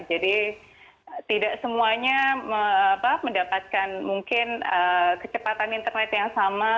jadi tidak semuanya mendapatkan mungkin kecepatan internet yang sama